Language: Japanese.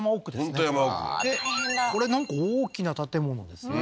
本当山奥でこれなんか大きな建物ですね